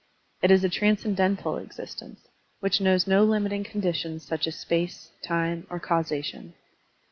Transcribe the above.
It is a transcendental exist ence, which knows no limiting conditions such as space, time, or causation.